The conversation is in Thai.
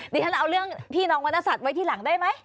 ฉันเอาเรื่องพี่น้องวรรณสัตว์ไว้ที่หลังได้ไหม